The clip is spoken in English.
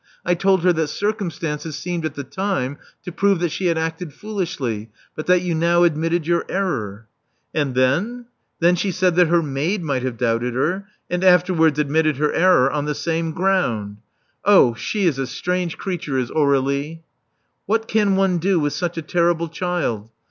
I told her that circum stances seemed at the time to prove that she had acted tvv»!is!\!v. but that you now admitted your error. " Anvl then?" ri\en she said that her maid might have doubted lie .. .i\vl .ifterwards admitted her error on the same >:'. v>iiUv! Oh, she is a strange creature, is Aur^lie! WIku e.ui one do with such a terrible child?